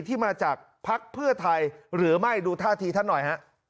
ที่มาจากภักดิ์เพื่อไทยหรือไม่ดูท่าทีท่านหน่อยฮะ